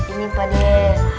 ini pak deh